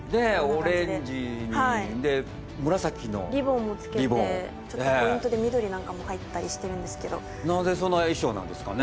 オレンジにで紫のリボンリボンもつけてちょっとポイントで緑なんかも入ってたりしてるんですけどなぜそんな衣装なんですかね？